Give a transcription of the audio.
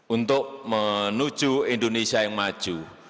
untuk menuju indonesia yang maju